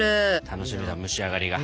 楽しみだ蒸し上がりが。